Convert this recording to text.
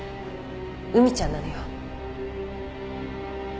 海ちゃんなのよ。